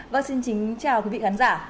và xin chào quý vị khán giả